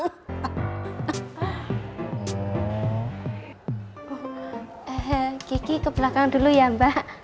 he he kiki ke belakang dulu ya mbak